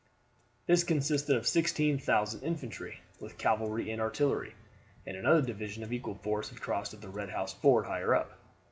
This consisted of 16,000 infantry, with cavalry and artillery, and another division of equal force had crossed at the Red House ford higher up.